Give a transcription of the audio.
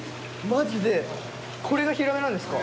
マジでこれがヒラメなんですか？